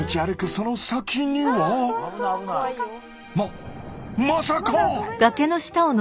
その先にはままさか。